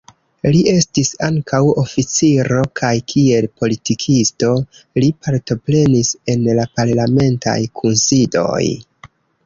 Li estis ankaŭ oficiro kaj kiel politikisto, li partoprenis en la parlamentaj kunsidoj.